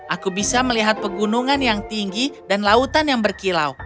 aku bisa melihat pegunungan yang tinggi dan lautan yang berkilau